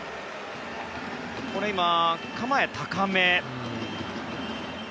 これ今、構え高め。